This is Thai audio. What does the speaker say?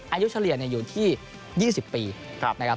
เฉลี่ยอยู่ที่๒๐ปีนะครับ